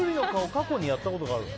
過去にやったことあるの？